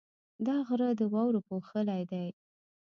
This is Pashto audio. دا غره د واورو پوښلی دی.